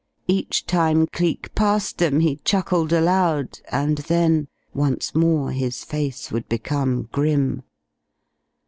Each time Cleek passed them he chuckled aloud, and then once more his face would become grim.